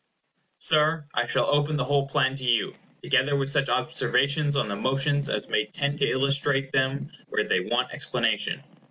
Sir, I shall open the whole plan to you, together with such observations on the motions as may tend to illustrate them where they may want explanation.